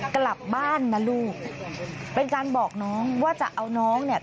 กลับบ้านนะลูกเป็นการบอกน้องว่าจะเอาน้องเนี่ย